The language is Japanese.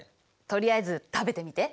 とりあえず食べてみて！